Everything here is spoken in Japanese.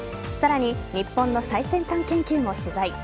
さらに、日本の最先端研究も取材。